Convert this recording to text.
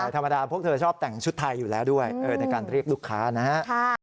ธรรมดาพวกเธอชอบแต่งชุดไทยอยู่แล้วด้วยในการเรียกลูกค้านะฮะ